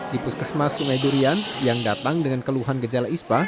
kepuskesmas sungai durian yang datang dengan keluhan gejala ispa